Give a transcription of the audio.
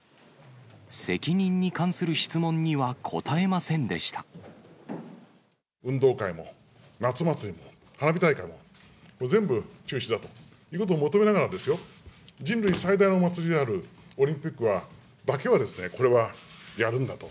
責任に関する質問には答えま運動会も夏祭りも花火大会も、全部中止だということを求めながらですよ、人類最大のお祭りであるオリンピックは、だけは、これはやるんだと。